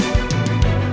ya kita berhasil